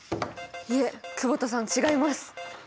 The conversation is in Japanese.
いえ久保田さん違います。